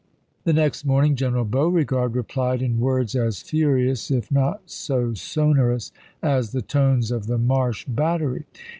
The next morning General Beauregard replied in words as furious, if not so sonorous, as the tones of the Marsh Battery.